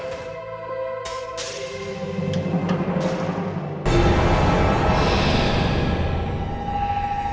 kak itu apa